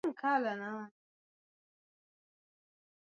a chancellor wa ujerumani angela mickel